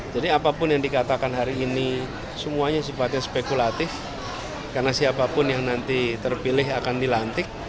jadi apapun yang dikatakan hari ini semuanya sifatnya spekulatif karena siapapun yang nanti terpilih akan dilantik